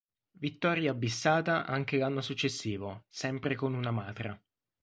Vittoria bissata anche l'anno successivo, sempre con una Matra.